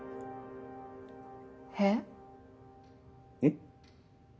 へっ？えっ？